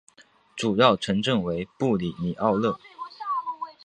主要城镇为布里尼奥勒。